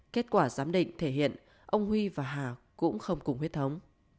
kết quả giám định thể hiện ông huy và hà cũng không cùng huyết thống